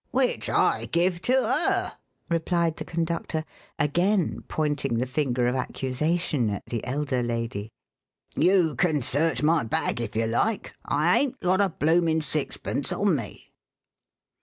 "Which I give to 'er," replied the conductor, again pointing the finger of accusation at the elder lady. "You can search my bag if yer like. I ain't got a bloomin' sixpence on me."